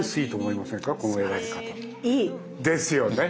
いい！ですよね。